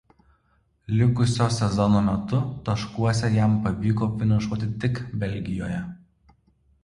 Likusio sezono metu taškuose jam pavyko finišuoti tik Belgijoje.